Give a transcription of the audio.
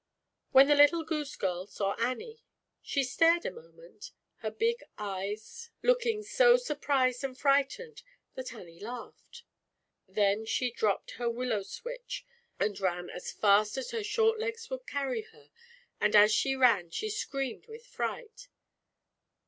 When the little goose girl saw Anri she stared a moment, her big eves 13 194 ZAUBERLINDA, THE WISE WITCH. looking so surprised and frightened, that Annie laughed. Then she dropped her willow switch and ran as fast as her short legs would carry her, and as she ran she screamed with fright.